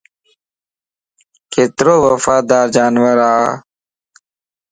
ڪتو وفادار جانور ا